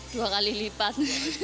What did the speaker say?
dua kali lipat